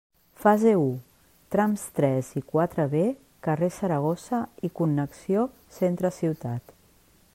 Fase u, trams tres i quatre B, carrer Saragossa i connexió centre ciutat.